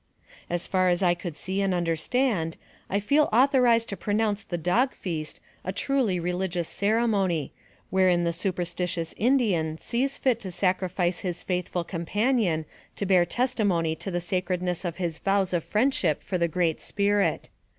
As far as I could see and understand, I feel author ized to pronounce the dog feast a truly religious cere mony, wherein the superstitious Indian sees fit to sac rifice his faithful companion to bear testimony to the sacredness of his vows of friendship for the Great Spirit.